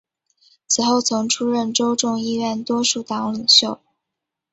此后曾出任州众议院多数党领袖。